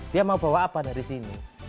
dia mau bawa apa dari sini